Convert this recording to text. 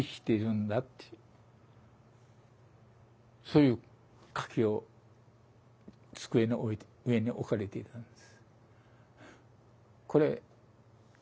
そういう書きを机の上に置かれていたんです。